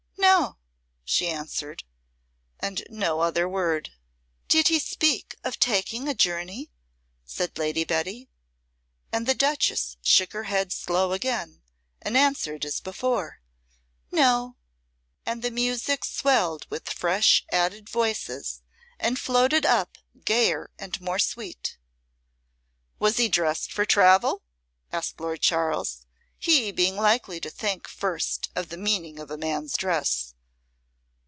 "No," she answered, and no other word. "Did he speak of taking a journey?" said Lady Betty. And the Duchess shook her head slow again, and answered as before, "No." And the music swelled with fresh added voices, and floated up gayer and more sweet. "Was he dressed for travel?" asked Lord Charles, he being likely to think first of the meaning of a man's dress.